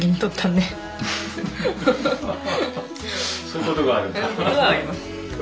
そういうことがあるんだ。